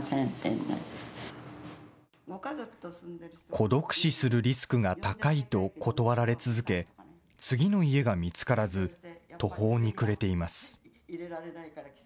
孤独死するリスクが高いと断られ続け、次の家が見つからず、途方に暮れています。